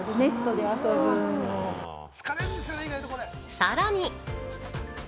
さらに。